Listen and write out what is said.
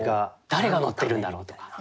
誰が乗ってるんだろうとか。